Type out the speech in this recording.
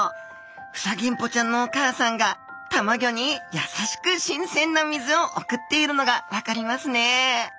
フサギンポちゃんのお母さんがたまギョに優しく新鮮な水を送っているのが分かりますね。